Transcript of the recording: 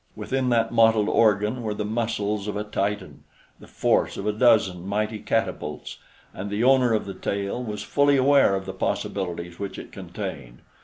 Within that mottled organ were the muscles of a Titan, the force of a dozen mighty catapults, and the owner of the tail was fully aware of the possibilities which it contained.